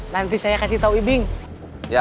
nanti saya kasih tahu ibing